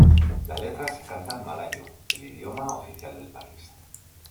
La letra se canta en malayo, el idioma oficial del país.